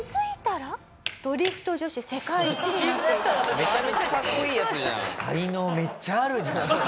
めちゃめちゃかっこいいやつじゃん。